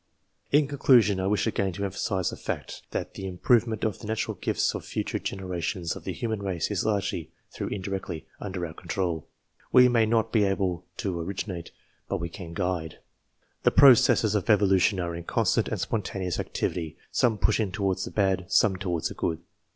In conclusion I wish again to emphasize the fact that the improvement of the natural gifts of future generations TO THE EDITION OF 1892 xxvii of the human race is largely, though indirectly, under our control. We may not be able to originate, but we can guide. The processes of evolution are in constant and spontaneous activity, some pushing towards the bad, some towards the good.